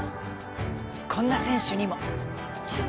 こんな選手にも。